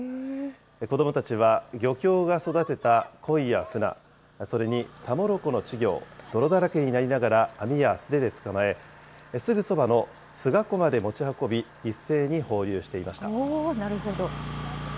子どもたちは、漁協が育てたコイやフナ、それにタモロコの稚魚を泥だらけになりながら、網や素手で捕まえ、すぐそばの菅湖まで持ち運び、なるほど。